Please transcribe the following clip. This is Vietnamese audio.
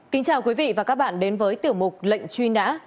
kính chào quý vị và các bạn đến với tiểu mục lệnh truy nã